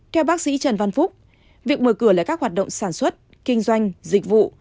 theo bác sĩ trần văn phúc việc mở cửa lại các hoạt động sản xuất kinh doanh dịch vụ